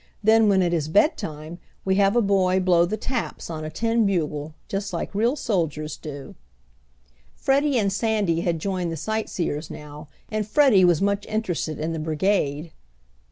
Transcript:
Then, when it is bedtime, we have a boy blow the 'taps' on a tin bugle, just like real soldiers do." Freddie and Sandy had joined the sightseers now, and Freddie was much interested in the brigade.